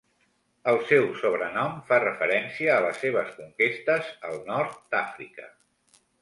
El seu sobrenom fa referència a les seves conquestes al nord d'Àfrica.